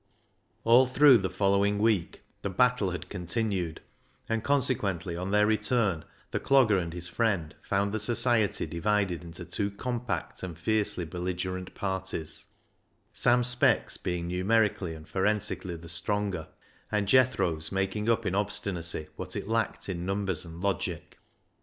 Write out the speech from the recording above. All through the following week the battle had continued, and consequently, on their return, the Clogger and his friend found the society divided into two compact and fiercely belligerent parties, Sam Speck's being numerically and forensically the stronger, and Jethro's making up in obstinacy what it lacked in numbers and logic.